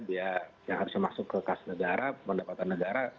dia yang harusnya masuk ke kas negara pendapatan negara